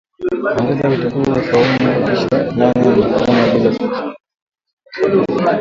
Ongeza vitunguu swaumu kisha nyanya na nyama bila supu